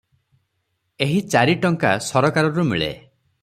ଏହି ଚାରି ଟଙ୍କା ସରକାରରୁ ମିଳେ ।